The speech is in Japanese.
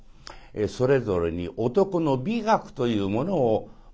それぞれに男の美学というものを持っております。